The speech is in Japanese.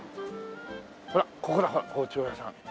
ほらここだほら包丁屋さん。